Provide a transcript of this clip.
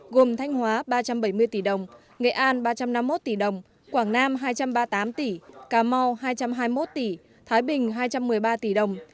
gồm thanh hóa ba trăm bảy mươi tỷ đồng nghệ an ba trăm năm mươi một tỷ đồng quảng nam hai trăm ba mươi tám tỷ cà mau hai trăm hai mươi một tỷ thái bình hai trăm một mươi ba tỷ đồng